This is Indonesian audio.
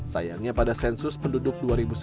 sayangnya pada sensus penduduk dua ribu sepuluh